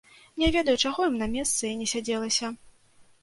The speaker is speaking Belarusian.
Не ведаю, чаго ім на месцы не сядзелася.